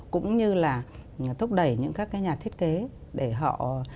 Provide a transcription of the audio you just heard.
cũng như là thúc đẩy những các cái nhà thiết kế để họ